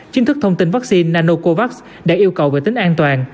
chính thức thông tin vaccine nanocovax đã yêu cầu về tính an toàn